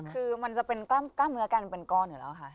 คือมันจะเป็นกล้ามเนื้อกันเป็นก้อนอยู่แล้วค่ะ